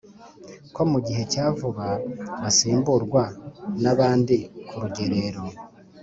ko mugihe cyavuba basimburwa nabandi kurugerero.